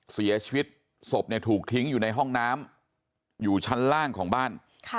ศพถูกทิ้งอยู่ในห้องน้ำอยู่ชั้นล่างของบ้าน